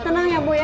tenang ya bu ya